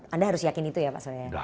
anda harus yakin itu ya pak soleh